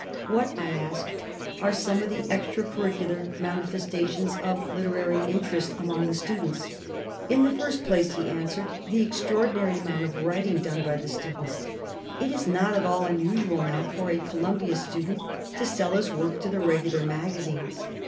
"What," I asked, "are some of the extra curricular manifestations of literary interest among the students?" "In the first place," he answered, "the extraor dinary amount of writing done by the students. It is not at all unusual now for a Columbia stu dent to sell his work to the regular magazines.